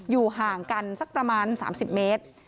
อยู่ห่างกันสักประมาณ๓๐เมตร